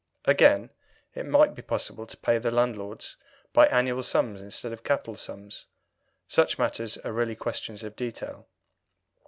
Again, it might be possible to pay the landlords by annual sums instead of capital sums. Such matters are really questions of detail.